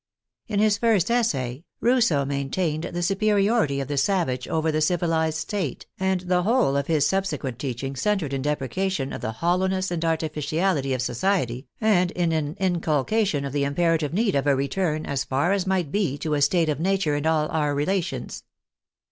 In his first essay, Rousseau maintained the superiority of the savage over the civilized state, and the whole of his subsequent teaching centered in deprecation of the hoilowness and artificiality of society, and in an inculca tion of the imperative need of a return, as far as might be, to a state of nature in all our relations.